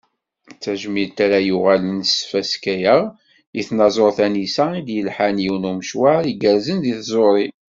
D tajmilt ara yuɣalen s tfaska-a i tnaẓurt Anisa i d-yelḥan yiwen n umecwar igerrzen di tẓuri.